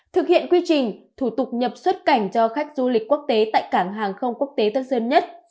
thực hiện quy trình thủ tục nhập xuất cảnh cho khách du lịch quốc tế tại cảng hàng không quốc tế tân sơn nhất